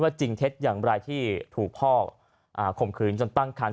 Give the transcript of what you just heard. ว่าจริงเท็จอย่างรายที่ถูกพ่อข่มขืนจนตั้งครรภ์